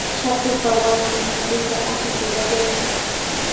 Shatupa warmin mikuyta ashikur qallaykan.